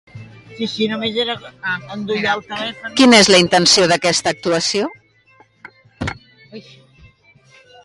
Quina és la intenció d'aquesta actuació?